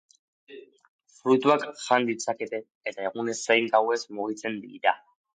Fruituak ere jan ditzakete eta egunez zein gauez mugitzen dira.